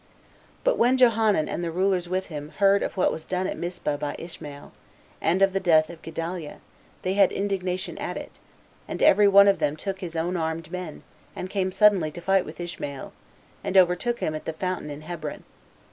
5. But when Johanan and the rulers with him heard of what was done at Mispah by Ishmael, and of the death of Gedaliah, they had indignation at it, and every one of them took his own armed men, and came suddenly to fight with Ishmael, and overtook him at the fountain in Hebron.